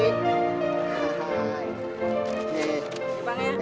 terima kasih bang ya